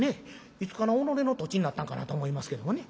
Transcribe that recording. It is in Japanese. いつから己の土地になったんかなと思いますけどもね。